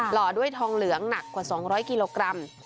ห่อด้วยทองเหลืองหนักกว่า๒๐๐กิโลกรัม